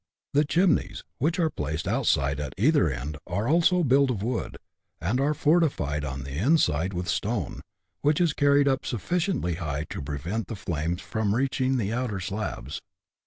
The chimneys, which are placed outside at either end, are also built of wood, and are fortified on the inside with stone, which is carried up suflficiently high to prevent the flames from reach ing the outer slabs.